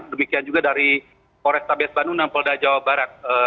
demikian juga dari forestabias bandung dan polda jabar